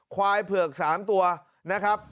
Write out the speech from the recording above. ควายเผือก๓ตัวนะครับ